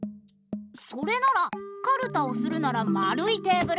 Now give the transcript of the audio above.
それならカルタをするならまるいテーブル。